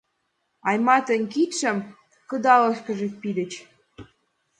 Айматын кидшым кыдалышкыже пидыч.